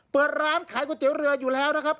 เปิดร้านขายก๋วยเตี๋ยวเรืออยู่แล้วนะครับ